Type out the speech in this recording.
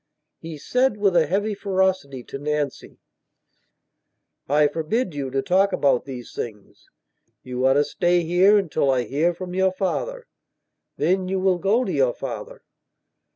He said, with a heavy ferocity, to Nancy: "I forbid you to talk about these things. You are to stay here until I hear from your father. Then you will go to your father."